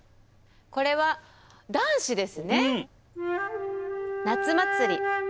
これは、男子ですね。